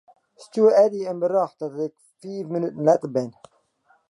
Stjoer Eddy in berjocht dat ik fiif minuten letter bin.